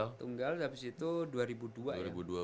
terakhir tunggal habis itu dua ribu dua ya